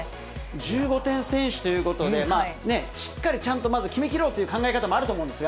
１５点先取ということで、しっかり、ちゃんとまず決め切ろうという考え方もあると思うんですが。